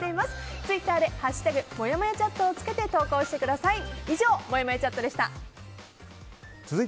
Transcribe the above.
ツイッターで「＃もやもやチャット」をつけて投稿してください。